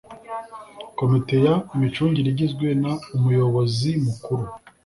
komite y imicungire igizwe n umuyobozi mukuru